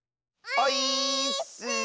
オイーッス！